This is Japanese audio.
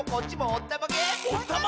おったまげ！